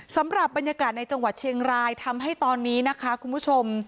สำหรับบรรยากาศในจังหวัดเชียงรายทำให้ตอนนี้นะคะคุณผู้ชม